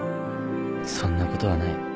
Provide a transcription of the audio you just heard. そんなことはない